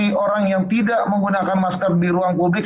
bagi orang yang tidak menggunakan masker di ruang publik